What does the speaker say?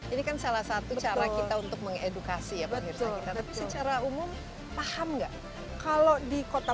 ini kan salah satu cara kita untuk mengedukasi ya pemirsa kita tapi secara umum paham nggak kalau di kota